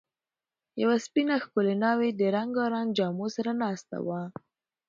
یوه سپینه، ښکلې ناوې د رنګارنګ جامو سره ناسته وه.